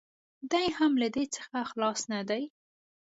دی هم له دې څخه خلاص نه دی.